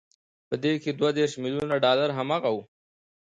په دې کې دوه دېرش ميليونه ډالر هماغه وو.